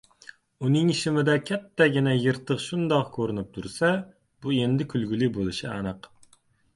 uning shimida kattagina yirtiq shundoq ko‘rinib tursa – bu endi kulgili bo‘lishi aniq.